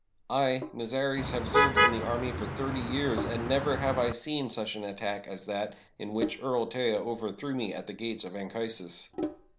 I, Nazares, have served in the army for thirty years — and never have I seen such an attack as that in which Earl Teja overthrew me at the gates of Anchi sus.